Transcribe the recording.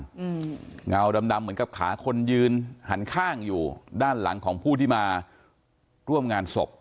เงาดำดำเหมือนกับขาคนยืนหันข้างอยู่ด้านหลังของผู้ที่มาร่วมงานศพ